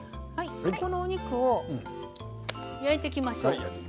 このお肉を焼いていきましょう。